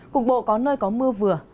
cục bộ có nơi có mưa vừa